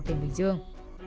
trên trang trang trang